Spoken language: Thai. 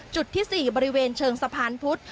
จุดที่๔บริเวณเชิงสะพานพุธ